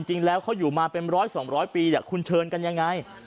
จริงแล้วเขาอยู่มาเป็นร้อยสองร้อยปีคุณเชิญกันยังไง